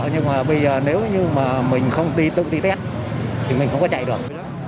nhưng mà bây giờ nếu như mà mình không tự đi test thì mình không có chạy được